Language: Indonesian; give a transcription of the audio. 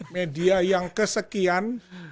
media yang kesekian